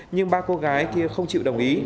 nhưng ba cô gái thì không chịu đồng ý